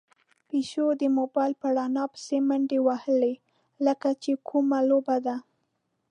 پيشو د موبايل په رڼا پسې منډې وهلې، لکه چې کومه لوبه ده.